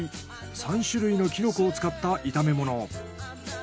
３種類のキノコを使った炒め物。